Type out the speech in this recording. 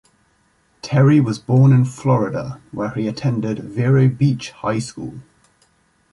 Terry was born in Florida, where he attended Vero Beach High School.